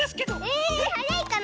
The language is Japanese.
えはやいかな？